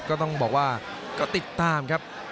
ก็ต้องบอกว่าก็ติดตามครับ